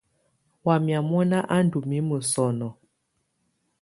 Wamɛ̀́á mɔ̀na á ndù mimǝ́ sɔnɔ̀.